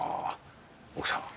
奥さんは？